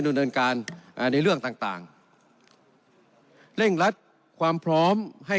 ดำเนินการอ่าในเรื่องต่างต่างเร่งรัดความพร้อมให้